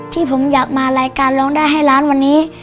ที่ผมอยากมารายการร้องได้ให้ล้านวันนี้